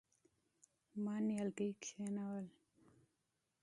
ما نيالګي کېښوول.